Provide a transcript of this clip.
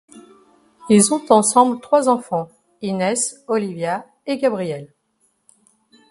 Ils ont ensemble trois enfants: Iness, Olivia et Gabrielle.